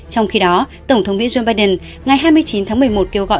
trong khi đó tổng thống mỹ joe biden ngày hai mươi chín tháng một mươi một kêu gọi